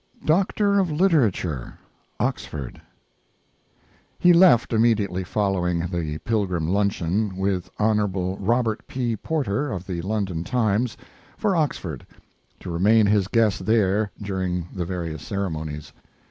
DOCTOR OF LITERATURE, OXFORD He left, immediately following the Pilgrim luncheon, with Hon. Robert P. Porter, of the London Times, for Oxford, to remain his guest there during the various ceremonies.